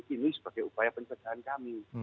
ini sebagai upaya pencegahan kami